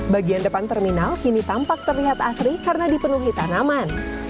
bagian depan terminal kini tampak terlihat asri karena dipenuhi tanaman